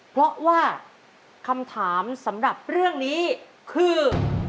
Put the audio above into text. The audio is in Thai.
เพราะว่าคำถามสำหรับเรื่องนี้คือ